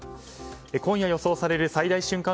今夜予想される最大瞬間